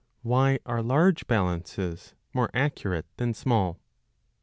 Why are large balances more accurate than small